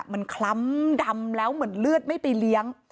มันคล้ำดำแล้วเหมือนเลือดไม่ไปเลี้ยง